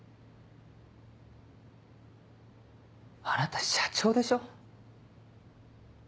あなた社長でしょ？